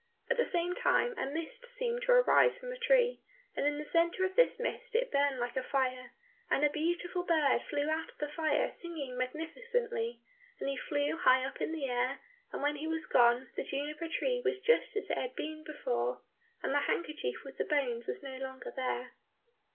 At the same time a mist seemed to arise from the tree, and in the centre of this mist it burned like a fire, and a beautiful bird flew out of the fire singing magnificently, and he flew high up in the air, and when he was gone, the juniper tree was just as it had been before, and the handkerchief with the bones was no longer there.